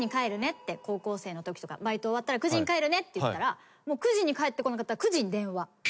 高校生のときとか「バイト終わったら９時に帰るね」って言ったら９時に帰ってこなかったら９時に電話。